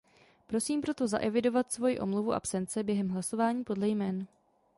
Prosím proto zaevidovat svoji omluvu absence během hlasování podle jmen.